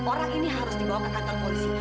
orang ini harus dibawa ke kantor polisi